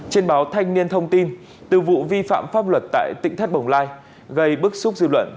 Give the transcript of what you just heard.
trên báo thanh niên thông tin từ vụ vi phạm pháp luật tại tỉnh thất bồng lai gây bức xúc dư luận